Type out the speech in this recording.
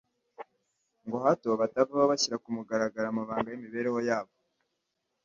ngo hato batavaho bashyira ku mugaragaro amabanga y’imibereho yabo